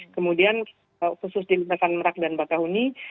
kemudian khusus di lintasan merak dan batauni